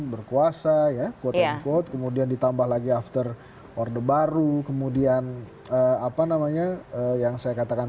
berkuasa ya quote unquote kemudian ditambah lagi after orde baru kemudian apa namanya yang saya katakan